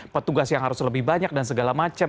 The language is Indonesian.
petugas yang harus lebih banyak dan segala macam